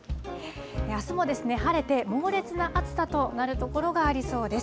あすも晴れて、猛烈な暑さとなる所がありそうです。